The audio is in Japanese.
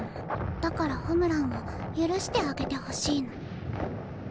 だからホムラんを許してあげてほしいの。